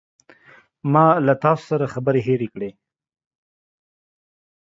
ما له تاسو سره خبرې هیرې کړې.